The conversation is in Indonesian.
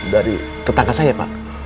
dari tetangga saya pak